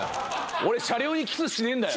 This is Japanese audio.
俺車両にキスしねぇんだよ！